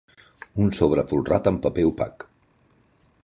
Un sobre folrat amb paper opac.